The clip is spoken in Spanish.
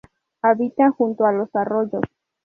Habita junto a los arroyos.